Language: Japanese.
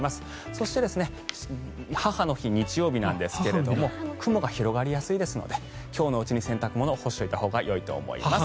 そして母の日、日曜日ですが雲が広がりやすいですので今日のうちに洗濯物を干しておいたほうがいいと思います。